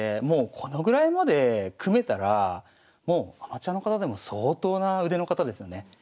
もうこのぐらいまで組めたらもうアマチュアの方でも相当な腕の方ですよね。